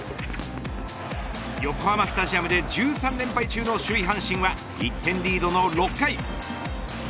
横浜スタジアムで１３連敗中の首位阪神は１点リードの６回。